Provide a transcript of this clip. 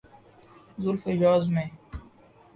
زلف ایاز میں۔